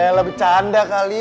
eh elah becanda kali